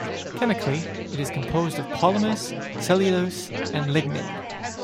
Chemically, it is composed of polymers, cellulose and lignin.